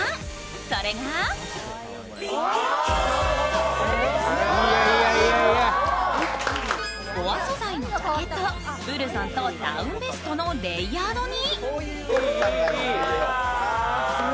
それがボア素材のジャケットをブルゾンとダウンベストのレイヤードに。